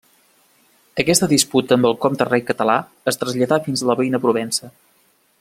Aquesta disputa amb el comte-rei català es traslladà fins a la veïna Provença.